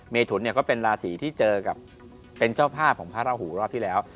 ถุนเนี่ยก็เป็นราศีที่เจอกับเป็นเจ้าภาพของพระราหูรอบที่แล้ว